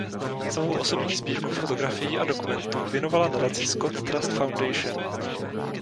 Svou osobní sbírku fotografií a dokumentů věnovala nadaci Scott Trust Foundation.